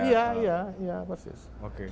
iya iya iya persis oke